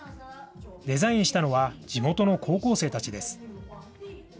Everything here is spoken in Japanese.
デザインしたのは地元の高校生たちです。